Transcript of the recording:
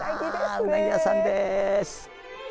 うなぎ屋さんです。